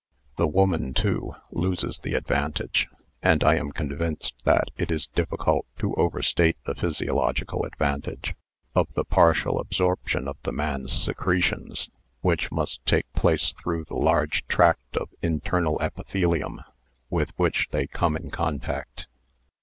The woman, too, loses the advantage (and I am convinced that it is difficult to overstate the physiological advant age) of the partial absorption of the man's secretions, which must take place through the large tract of internal epithelium with which they come in contact.